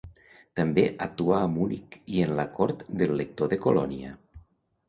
També actuà a Munic i en la cort de l'elector de Colònia.